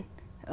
ở hết nước